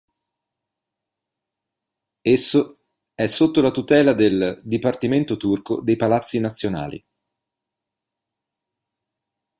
Esso è sotto la tutela del "Dipartimento Turco dei Palazzi Nazionali".